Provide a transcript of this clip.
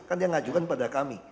kan dia ngajukan pada kami